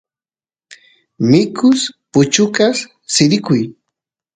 mikus puchukas sirikuy